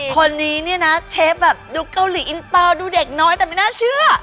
คนนี้เนี่ยนะเชฟแบบดูเกาหลีอินเตอร์ดูเด็กน้อยแต่ไม่น่าเชื่อ